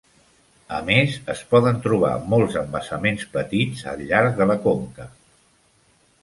A més, es poden trobar molts embassaments petits al llarg de la conca.